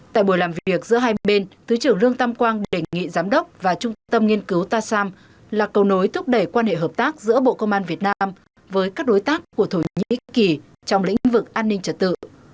tại buổi làm việc giữa hai bên thứ trưởng lương tam quang đề nghị giám đốc và trung tâm nghiên cứu tasam là cầu nối thúc đẩy quan hệ hợp tác giữa bộ công an việt nam với các đối tác của thổ nhĩ kỳ trong lĩnh vực an ninh trật tự